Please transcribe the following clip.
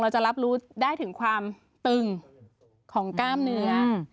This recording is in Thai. จะรับรู้ได้ถึงความตึงของกล้ามเนื้อ